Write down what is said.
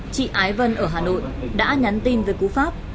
chị ái vân ở hà nội đã nhắn tin với cú pháp